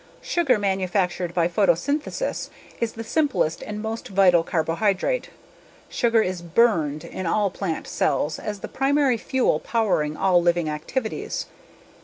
Sugar, manufactured by photosynthesis, is the simplest and most vital carbohydrate. Sugar is "burned" in all plant cells as the primary fuel powering all living activities.